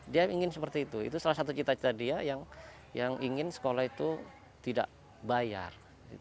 dia ingin seperti itu itu salah satu cita cita dia yang ingin sekolah itu tidak bayar